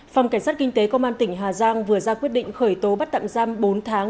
phòng cảnh sát kinh tế công an tỉnh hà giang vừa ra quyết định khởi tố bắt tạm giam bốn tháng